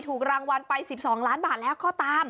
ถูกรางวัลไป๑๒ล้านบาทแล้วก็ตาม